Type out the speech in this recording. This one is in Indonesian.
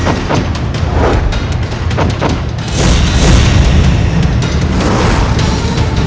karena dalam keadaan tertotok